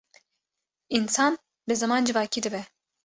Însan bi ziman civakî dibe.